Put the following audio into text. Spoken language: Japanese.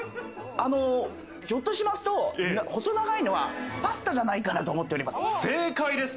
これは、あの、ひょっとしますと細長いのはパスタじゃないかな正解です。